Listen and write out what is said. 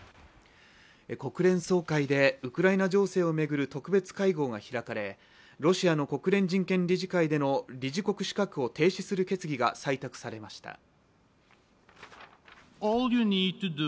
国連総会でウクライナ情勢を巡る特別会合が開かれロシアの国連人権理事会での理事国資格を停止する決議が採択されました。